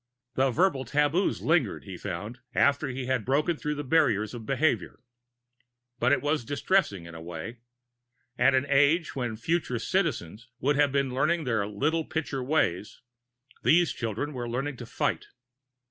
The verbal taboos lingered, he found, after he had broken through the barriers of behavior. But it was distressing, in a way. At an age when future Citizens would have been learning their Little Pitcher Ways, these children were learning to fight.